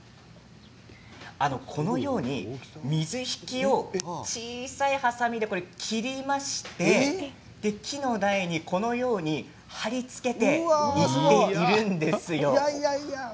このように水引を小さいはさみで切りまして木の台に貼り付けていっているんですよ。